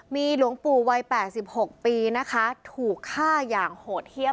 มีหลวงปู่วัยแปดสิบหกปีนะคะถูกฆ่าอย่างโหดเฮียม